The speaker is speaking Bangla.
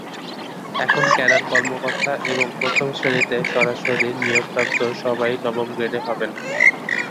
এখন ক্যাডার কর্মকর্তা এবং প্রথম শ্রেণিতে সরাসরি নিয়োগপ্রাপ্ত সবাই নবম গ্রেডে হবেন।